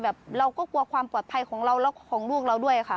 เราก็กลัวความปลอดภัยของเราแล้วของลูกเราด้วยค่ะ